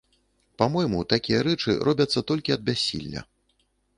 Па-мойму, такія рэчы робяцца толькі ад бяссілля.